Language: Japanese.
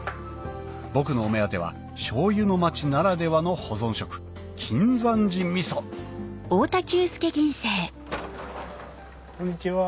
僕のお目当ては醤油の町ならではの保存食金山寺味噌こんにちは。